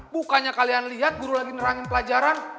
bukannya kalian lihat guru lagi nerangin pelajaran